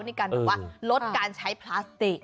ในการแบบว่าลดการใช้พลาสติก